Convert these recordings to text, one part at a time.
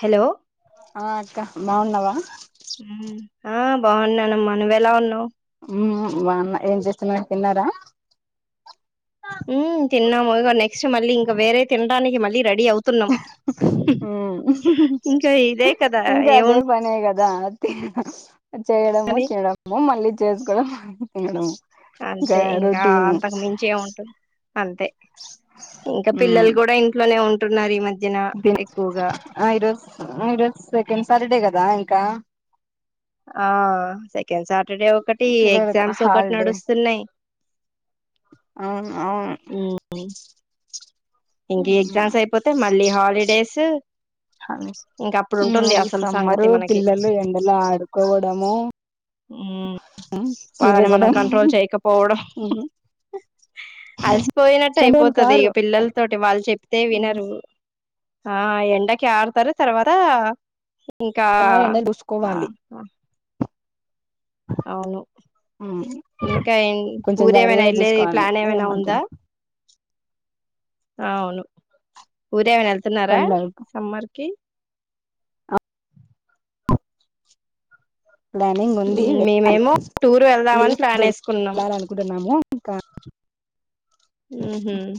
Hello ఆ అక్క బాగున్నావా ఆ బాగున్నానమ్మా నువ్ ఎలా ఉన్నావు హ్మ్ బాన్నా ఏం చేస్తున్నార్ తిన్నారా మ్మ్ తిన్నాము [unintelligible] ఇష్ మళ్ళీ ఇంక వేరే తిన్ దానికి మళ్ళీ రెడీ అవుతున్నాం ఉమ్ ఇంకా ఇదే కదా ఏమున్ అంత చేయడము తినడము మళ్ళీ చేసుకోవడం ఎండలు అంతే ఇంకా అంతకు మించే ఏం ఉంటది అంతే ఇంకా పిల్లలు కూడా ఇంట్లోనే ఉం ఉన్నారు ఈ మధ్ దిన్ ఆ ఈరోజు [unintelligible] ఈరోజు సెకండ్ సాటర్డే కదా ఇంకా ఆ సెకండ్ సాట్ టర్డే ఒకటి పిల్లలకు ఎగ్జామ్స్ ఒకటి హాలిడే నడుస్తున్నాయి అవును అవును మ్మ్ ఇంక ఎగ్జామ్స్ అయిపోతే మళ్ళీ హాలిడేసు మ్మ్ ఈ అసలు సమ్మరు సంగతి మనకి పిల్లలు ఎండలో ఆడుకోవడము హ్మ్ మ్మ్ వాళ్ళని మనం తిరగడం కంట్రోల్ చేయకపోవడం అలసిపోయినట్టు కంట్రోలు అయిపోతది ఇగ కారు పిల్లల తోటి వాళ చెప్ టే వినరు ఆ ఎండకి ఆడతారు తర్వాత ఇంకా ఆ ఎండలు ఆ చూసుకోవాలి ఆ అవును ఉమ్ ఇంకా కొంచెం ఊర ఏమైనా జాగ్రత్తగా వెళ్ళేది చూసుకోవాలి ప్లాన్ ఏమైనా ఉందా ఏమంటుంది అవును ఉ ఊరికి ఏమైనా వెళ్తున్నారా పండగకు సమ్మర్ కి ప్లానింగ్ ఉంది వెళ్ళాలి మేమేమో టూర్ వెళ్దామని లివ్స్ ప్లాన్ దొరికితే వేసుకున్నాం వెళ్ళాలి అనుకుంటున్నాము ఇంకా మ్మ్ హ్మ్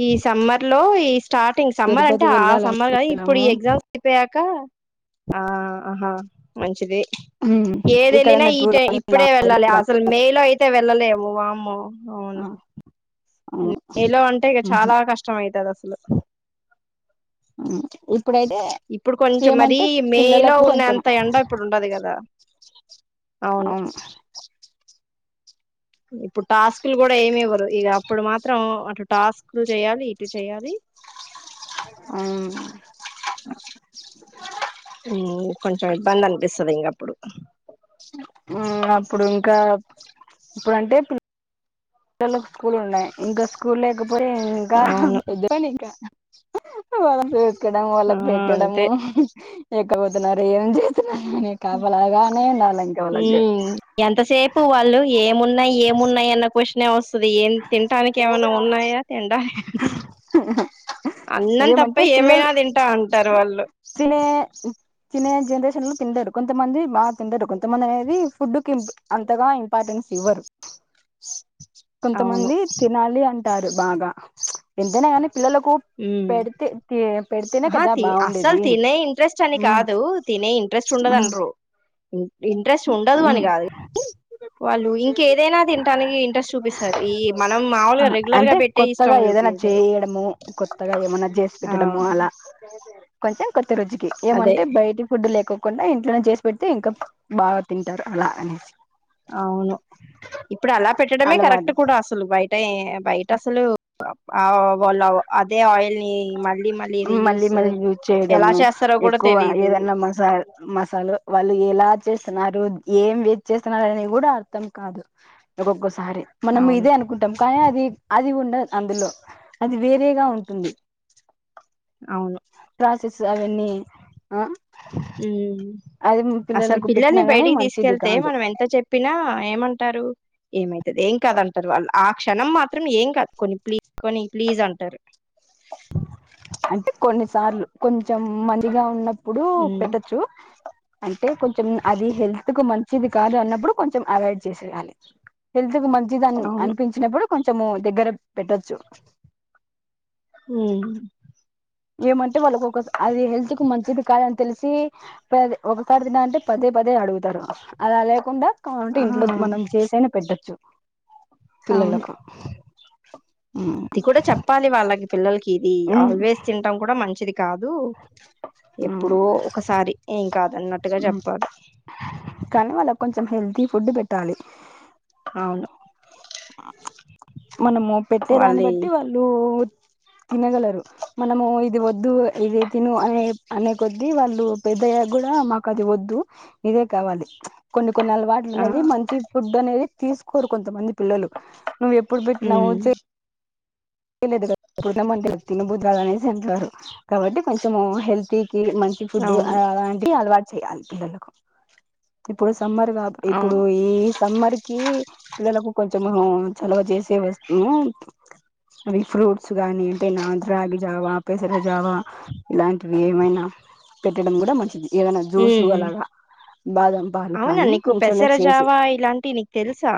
ఈ సమ్మర్ లో లో ఈ స్టార్టింగ్ సమ్మర్ అంటే తిరుపతి ఆ వెళ్ళాలి సమ్మర్ కాదనీ ఇప్పుడు ఈ అనుకుంటున్నాము ఎగ్జామ్స్ అయిపోయాక ఆ ఆహా మంచిది ఏది వెళ్ళినా ఇక్కడన్న ఈ టూర్ టై ఇప్పుడే వెళ్ళాలి అసలు మే లో అయితే వెళ్ళలేము వామ్మో అవును మే లో అంటే చాలా కష్టం అయితది అసలు ఇప్పుడైతే ఇప్పుడు కొంచెం మరీ ఏమంటే మే లో పిల్లలకు ఉన్న కొంచెం అంత ఎండ ఇప్పుడు ఉండదు కదా అవును ఇప్పుడు టాస్కులు కూడా ఏమి ఇవ్వరు ఇక అప్పుడు మాత్రం అటు టాస్కులు చేయాలి ఇటు చెయ్యాలి అవును కొంచెం ఇబ్బంది అనిపిస్తది ఇంకప్పుడు అప్పుడు ఇంకా ఇప్పుడంటే స్కూల్ ఉన్నాయి ఇంకా స్కూళ పో ఇంకా అవును ఇదివనికా వ ఎక్కడం ఆ వాళ్ళకు పెట్టడం అంతే లేక్కపోతున్నారు ఏం చేస్తున్నారు అని కాపలాగానే ఉండాలి ఇంక వాళ్ళకి ఎంతసేపు వాళ్ళు ఏమున్నాయి ఏమున్నాయి అన్న క్వశన్ నేమస్ అస ఏం తినాటానికి ఏమైనా ఉన్నాయా తిండానికి అన్నం తప్ప ఏమంటే పిల్లలు ఏమైనా తింటా అంటారు వాళ్ళు తినే తినే జనరేషన్ లో తిందడు కొంతమంది బా తిందడు కొంతమంది అనేది ఫుడ్ కి అంతగా ఇంపార్టెన్స్ ఇవ్వరు అవును కొంతమంది తినాలి అంటే బాగా ఏంటనే మ్మ్ పెడితేనే ఆహా కదా అసలు బాగుండేది తినే ఇంట్రెస్ట్ అని ఉమ్ కాదు తినే ఇంట్రెస్ట్ ఉండదు ఉమ్ అన్నారు ఇంట్రెస్ట్ ఉండదు ఉమ్ అని కాదు వాళ్ళు ఇంక ఏదైనా తింటానికి ఇంట్రెస్ట్ చూపిస్తారు ఈ మనం మాముూలుగా రెగ్యులర్ గా అంటే పెట్టే కొత్తగా ఇష్టం ఏదైనా చూపించరు చేయడము కొత్తగా ఏమన్నా చేసి ఆ పెట్టడము అలా కొంచెమ్ కొతి రోజుకి అదే ఏమంటే బయటి ఫుడ్ లేక కుండా ఇంట్లోనే చేసి పెడితే ఇంకా బాగా తింటారు అలా అనే మే కరెక్ట్ అలవాటు కూడా అసలు బయట్ ట బయిట అసలు బో అదే ఆయిల్ ని మళ్ళీ మళ్ళీ రీయూస్ మళ్ళీ యూజ్ ఎలా చేయడము చేస్తారో కూడా ఎక్కువ తెలీదు ఏదన్నా మసా మసాలా వాళ్ళు ఎలా చేస్తున్నారు ఏం వెసి చేస్తున్నారు అనేది కూడా అర్థం కాదు ఒకోకా సరే మనం అవును ఇదే అనుకుంటాం కానీ అది అది ఉండదు అందులో అది వేరేగా ఉంటుంది [inaudible] అవును ప్రసెస్ అవన్నీ ఉ అది అసలు పిల్లలకు పెట్టినా పిల్లల్ని గాని బయటికి మంచిది తీసుకెళ్తే కాదు మనం ఎంత చెప్పినా ఏమంటారు ఏమైతుంది ఏం కాదంటారు వాళ్ళు ఆ క్షణం మాత్రం ఏం కాదు కొని ప్లీజ్ కొని ప్లీజ్ అంటారు అంటే కొన్నిసార్లు కొంచెం మందిగా ఉన్న ఇప్పుడు ఉమ్ పెట్టచ్చు అంటే కొంచెం అది హెల్త్ హెల్త్కు మంచిది కాదు అన్నప్పుడు కొంచెం అవాయిడ్ చేసేయాలి హ కు మంచిదని అవును అనిపించినప్పుడు కొంచెము దగ్గర పెట్టొచ్చు ఉమ్ ఏ మ అంటెవాళ్ళోఒక సా అది హెల్త్ కు మంచి స్వీటుకాదని తెలిసి పదెఒకసారి తినం మంటే పదే పదే అడుగుతారు అలా లేకుండా కావులంటే ఆ ఇంట్లో మనం చేసైనా పెట్టొచ్చు పిల్లలలకు అది కూడా చెప్పాలి వాళ్ళకి పిల్లలకి ఇది ఆల్వేస్ తినటం కూడా మంచిది కాదు ఎప్పుడోఒకసారి ఏం కాదు కానీ వాళ్ళ కొంచెం హెల్తీ ఫుడ్ పెట్ ట్టాలి అవును అ మనము పెట్టే దాన్ని వాళ్ళే బట్టి వాళ్ళు తినగలరు మనము ఇది వద్దు ఇదితిను అనే అనే కొద్దివాళ్ళు పెద్దయ్యా కూడా మాకు అది వద్దు ఇదే కావాలి కొన్ని. ఆ కొన్నిఅలవాటుల్‌అనేవిమంచి ఫుడ్ అనేది తీసుకోరు కొంతమంది పిల్లలు నువ్వు ఎప్పుడు పెట్టినావ ఉమ్ లేదు కదా బుద్ది కాదనిఅనేసి అంటారు కాబట్టి కొంచెం హెల్తీ కిమంచి ఫుడ్ అవును అలాంటి అలవాటు చెయాలి పిల్లకు ఇప్పుడు సమ్మర్గా ఇప్పుడు అవును ఈ సమ్మర్ కి పిల్లలకు కొంచము చలవాచేసే వస్తుము అవి ఫ్రూట్స్ గాని అంటే నా రాగి జావా పెసరజావా ఇలాంటివి ఏమైనా పెట్టడం కూడా మంచిది. ఏదైనా జ్యూసు హ్మ్. అలాగా బాదం పాలు అవునా కానీ నీకు ఇంట్లోనే చేసి పెసరజావా ఇలాంటి నీకు తెలుసా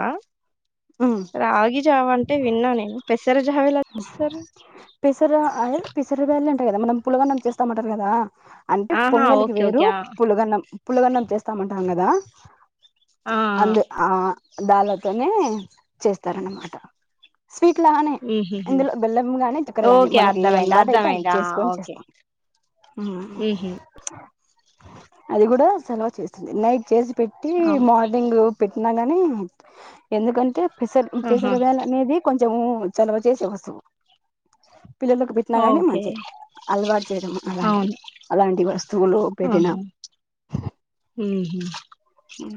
ఉమ్ రాగి జావా అంటే విన్నా నేను పెసరా. పెసరా ఆయ్ పెసర బ్యాల్‌ ఇవె అంట కద మనం పులగానం చేస్తామంటారు కదా అంటే ఆహా! పొంగలికి ఓకే. వేరు ఓకే. ఆ! పులగన్నం పులగన్నం చేస్తామంటాం కదా ఆ! ఆ! అందు ఆ దాలతోనే చేస్తారన్నమాట స్వీట్లా హుహుహు. ఇందులో బెల్లం గాని దక్కర గాని ఓకే. మనకి ఏద అర్థమైంది. అందుబాటు అయితే అది అర్థమైంది. ఆ! చేసుకొని ఓకే. చేస్తాం హుహు. అది కూడా సెలవు చేస్తుంది నైక్ చేసి పెట్టి అవును. మార్నింగ్ పెట్టి మన్ననే ఎందుకంటే. పసర్ ఈ ఆహా! పెసర బేడలనేది కొన్ చూ చలవ చేసే వస్తువు పిల్లలకు పెట్టినా నీ ఓకే. మంచిది అలవాటు చేయడం అలాంటిది అవును. అలాంటి వస్తువులు పెట్టినా ఆహా! హుహు. ఉ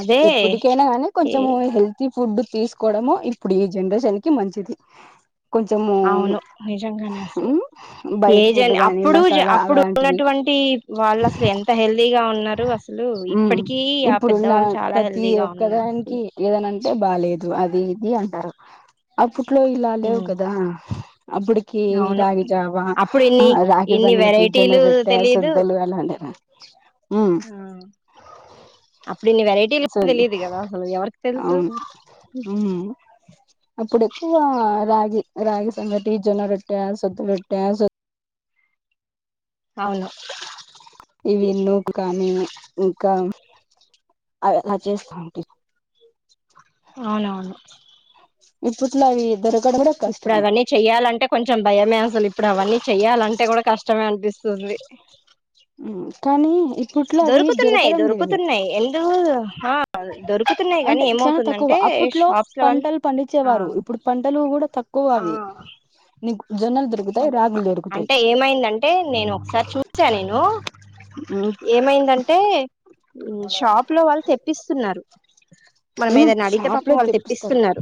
అదే ఎప్పటికైనా నీ ఏ కొంచెం హెల్తీ ఫుడ్ తీసుకోవడము ఇప్పుడు జనరేషన్ క మంచిది కొంచెము అవును నిజంగానే అసలు బయట ఏజ ఫుడ్ గాని అప్పుడు మసాలా అప్పుడు అలాంటివి ఉన్నటువంటి వాళ్ళు అసలు ఎంత హెల్దీగా ఉన్న. ఉన్నారు అసలు ఇప్పటికీ ఆ ఇప్పుడున్న పెద్దవాళ్ళు చాలా హెల్దీగా ఉన్నారు అసలు అంటే బాలేదు అది ఇది అంటారు [inaudible] అప్పుట్లో ఇలా లేవు హ్మ్. కదా అప్పటికి అవును రాగి జావ అప్పుడు ఆ ఇన్ని రాగి ఇన్ని సంగటి జొన్న వెరైటీలు రొట్టె తెలీదు సద్ధలు అలానే ఉమ్ ఆ అప్పుడు ఇన్ని వెరైటీలు సో తెలియదు కదా అసలు ఎవరికి తెలుసు అవును ఉమ్మ్ అప్పుడెక్కువ రాగి రాగి సంగటి జొన్న రొట్టె సద్ద పెట్టె సొ అవును ఇవి నూకు కానీ ఇంకా [unintelligible] చేస్తా ఉంటి అవునవును విప్పుట్లావి ఇద్దరు ఇప్పుడు అవన్నీ చెయ్యాలంటే కొంచెం భయమే అసలు ఇప్పుడు అవన్నీ చెయ్యాలంటే కూడా కష్టమే అనిపిస్తుంది ఉమ్మ్ కానీ ఇప్పట్లో అవి దొరుకుతున్నాయి దొరకడం లేదు దొరుకుతున్నాయి ఎందుకు ఆ దొరుకుతున్నాయి కానీ అంటే చాలా తక్కువ ఏమవుతుందంటే అప్పట్లో షాప్స్ లో వాళ్ళు పంటలు ఆ పండించేవారు ఇప్పుడు పంటలు కూడా తక్కువ ఆ అవి నీకు జొన్నలు దొరుకుతాయి అదే రాగులు దొరుకుతాయి అంటే ఏమైందంటే నేను ఒకసారి చూశా నేను ఏమైందంటే ఊ షాప్ లో వాళ్ళు తెప్పిస్తున్నారు మనం ఉమ్మ్ ఏదైనా అడిగితే షాప్ లో పాపం వాళ్ళు తెప్పిస్తారు తెప్పిస్తున్నారు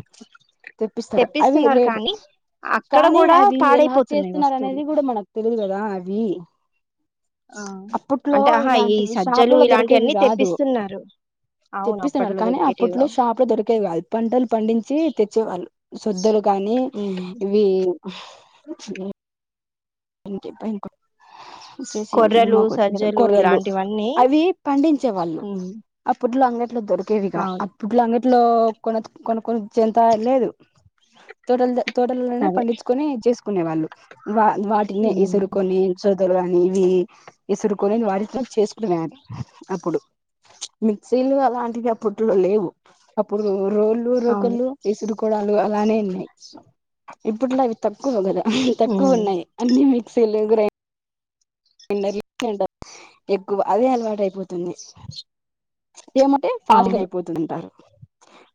తెప్పిస్తారు అవి తెప్పిస్తున్నారు రేరు కానీ అక్కడ కానీ కూడా అవి ఎలా ఆ పాడైపోతున్నాయి చేస్తున్నారు వస్తువులు అనేది కూడా మనకు తెలీదు కదా అవి ఆ అప్పట్లో అంటే ఆహా ఈ ఇలాంటివి సజ్జలు షాపులలో ఇలాంటి దొరికేవి అన్ని కాదు తెప్పిస్తున్నారు అవును అప్పట్లో దొరికేట్ ప్పుట్లో షాప్ లో దొరికేది కాదు పంటలు పండించి తెచ్చేవాళ్ళు తుద్దలు కానీ ఉమ్ ఇవి ఇంటి పైన్ కు శశి కొర్రలు సినిమా [inaudible] సజ్జలు కొర్రలు ఇలాంటివన్నీ అవి పండించే వాళ్ళు ఉమ్ అప్పట్లో అంగట్ ట్లో దొరికేవిగా అవును అప్పుట్లో అంగట్లో కొనత్ కొను కొన్ చెంత ఆయిల్ లేదు తోటల్ దొ తోటల్లోనే అదే పండిచ్చుకొని ఇది చేసుకునే వాళ్లు వాల్ వాడ్ నే ఉమ్ ఇసురుకొని సొ పెద్దోళ్ళు గాని ఇవి ఇసురు కొనేది వాడిట్లా చేసుకునే [inaudible] అప్పుడు మిక్సీలు అలాంటివి అప్పుట్లో లేవు అప్పుడు రోళ్లు, అవును రోకళ్లు ఇసురు కోడాలు అలానే ఇన్నై. ఇప్పట్లో అవి తక్కువ గదా. తక్కువ ఉమ్ ఉన్నై. ఈ మిక్సీలు, గ్రై గ్రైండర్ లు [inaudible] ఎక్కువ అదే అలవాటు అయిపోతుంది. ఏమంటే ఫాస్ట్ గ అవును అయిపోతుదంటారు.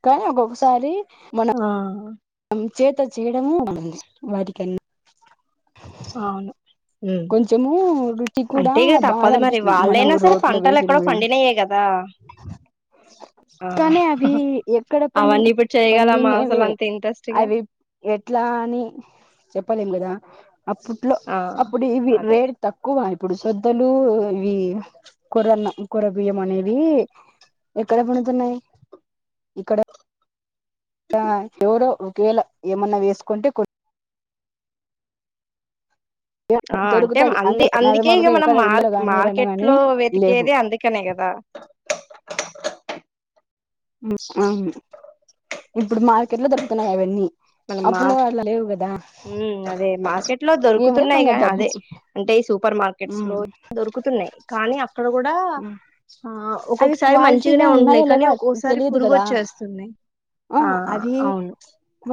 కానీ ఒక్కొక్కసారి మనం ఆ చేత చేయడమూ వాటికన్న అవును ఉమ్ కొంచెమూ రుచి కూడా అంటే ఇగ బాగా తప్పదు మరి అనిపిస్తుంది మనం వాళ్ళైనా సరే రోట్లో పంటలు వేసి ఎక్కడో నూరడం పండినయే కదా ఆ కానీ అవీ ఎక్కడ పండిన్ అవన్నీ ఇప్పుడు చేయగలమా అసలు పండినెవే అంత ఇంట్రెస్ట్ గా అవి ఎట్లా అని చెప్పలేం గదా. అప్పుట్లో ఆ అప్పుడు ఇవి అదే రేట్ తక్కువాయ్ ఇప్పుడు సొద్దలూ ఇవీ కొర్రన్న కొర్రబియ్యం అనేవీ ఎక్కడ పండుతున్నాయి ఇక్కడ? [unintelligible] ఎవరో ఒ [unintelligible] ఏమన్నా వేసుకుంటే కొన్ ఆ అంటే దొరుకుతాయి అంది అందరు అందికే ఇగ నార్మల్గా మనం ఎక్కడ మార్ ఇళ్లలో గాని ఏవన్నా మార్కెట్ గాని లో లేవు వెతికేదే అందుకనే కదా. ఇప్పుడు మార్కెట్ లో దొరుకుతున్నాయి అవన్నీ. మన అప్పులో మార్ అట్లా లేవు కదా హ్మ్ అదే మార్కెట్ లో ఏమిటే ఇంగ దొరుకుతున్నాయిగా అదే డబ్బుకు అంటే ఈ సూపర్ మార్ కెట్స్ లో దొరుకుతున్నాయి కానీ అక్కడ కూడా ఆ అవి ఒక్కొక్కసారి మంచిగనే క్వాలిటీగా ఉంట్నై. ఉన్నాయా కానీ లేవా ఒకోసారి తెలియదు పురుగు కదా ఒచ్చేస్తున్నాయి ఆ అవును.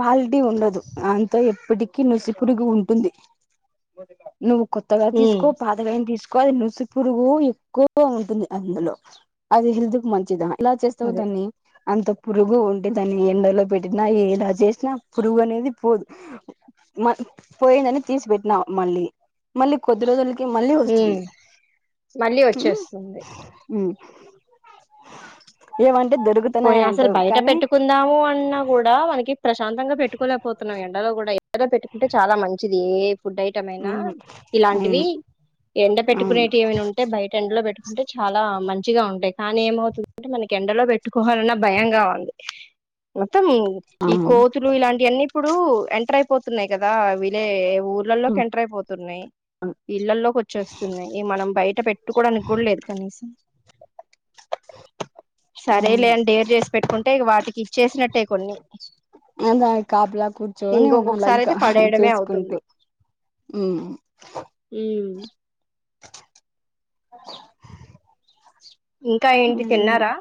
క్వాలిటీ ఉండదు. ఆంతో ఎప్పటికీ నుసిపురుగు ఉంటుంది. నువ్వు కొత్తగా తీస్ ఉమ్ ఏదైన తీసుకో అది నుసిపురుగూ ఎక్కువగా ఉంటుంది అందులో, అది హెల్త్ కు మంచిద ఎలా చేస్తవు అదే దాన్ని? అంత పురుగు ఉంటే దాన్ని ఎండలో పెట్టినా ఏలా చేసినా పురుగు అనేది పోదు, మ పోయిందని తీసి పెెట్టినా మల్లీ మల్లీ కొద్ తిరగల్ హ్మ్ మళ్లీ వచ్చేస్తుంది. హ్మ్ ఏవన్ పోనీ అసలు బయట పెట్టుకుందావూ అన్నా కూడా మనకి ప్రశాంతంగా పెట్టుకోలేపోతున్నాం ఎండలో కూడా [unintelligible] పెట్టుకుంటే చాలా మంచిదీ. ఫుడ్ ఐటం అయినా ఉమ్ ఇలాంటివీ అవును ఎండ అవును పెట్టుకునేటియి ఏవైనా ఉంటే బయట ఎండలో పెట్టుకుంటే చాలా మంచిగా ఉంటాయి. కానీ ఏమవుతుందంటే వాళ్ళకి ఎండలో పె పెట్టుకోవాలన్నా భయంగా ఉంది మొత్తం ఈ అవును కోతులు ఇలాంటివన్నీ ఇప్పుడు ఎంటర్ అయిపోతున్నాయి కదా వీలే ఊర్లలోకి ఎంటర్ అయిపోతున్నాయి ఇళ్లల్లోకి వచ్చేస్తున్నాయి మనం బయట పెట్టుకోడానికి కూడా లేదు కనీసం ఆ సరేలే అని డేర్ చేసి పెట్టుకుంటే వాటికి ఇచ్చేసినట్టే కొన్ని అదా కాపలా కూర్చొని ఉండాల ఇంకొకొక్కసారి ఇంకా అయితే పడేయడమే చూసుకుంటూ అవుతుంది హ్మ్. మ్ ఆ ఇంకా మ్ ఏంటి ఏమ్మా తిన్నారా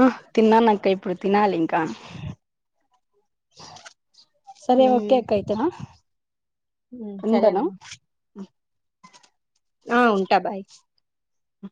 ఆ తిన్నానక్క ఇప్పుడు తినాలి ఇంకా సరే ఉమ్ ఓకేక్కైతే ఆ ఉమ్ సరే ఉండన అమ్మా ఆ ఉంటా బాయ్ ఆ